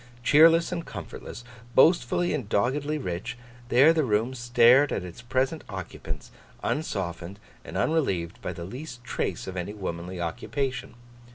Cheerless and comfortless, boastfully and doggedly rich, there the room stared at its present occupants, unsoftened and unrelieved by the least trace of any womanly occupation.